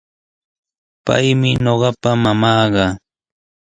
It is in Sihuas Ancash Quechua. Paymi ñuqapa mamaaqa.